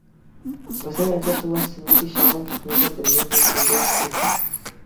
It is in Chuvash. Вӗсен ача пулассине те ҫавӑн чухне пӗлтерме тӗв турӗ Света.